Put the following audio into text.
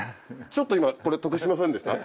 ちょっと今これ得しませんでした？